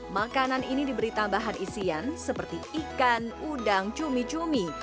makanan ini diberi tambahan isian seperti ikan udang cumi cumi